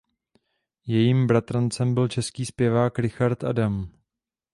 Jejím bratrancem byl český zpěvák Richard Adam.